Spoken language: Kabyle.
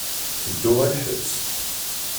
Tedduɣ ɣer lḥebs.